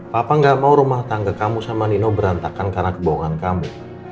papa gak mau rumah tangga kamu sama nino berantakan karena kebohongan kamu